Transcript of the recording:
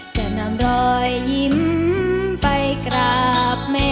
จะนำรอยยิ้มไปกราบแม่